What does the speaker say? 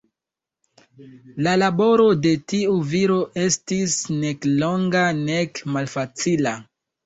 La laboro de tiu viro estis nek longa nek malfacila.